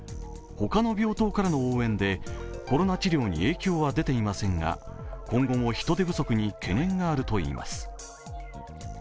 他の病棟からの応援で、コロナ治療に影響は出ていませんが、今後も人手不足に懸念があるといいます。